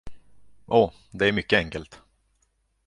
Åh, det är mycket enkelt!